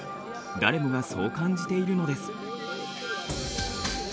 誰もがそう感じているのです。